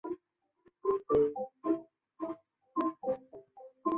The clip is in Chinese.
雾社事件是台湾人在日治时代最后一次武装抗日行动。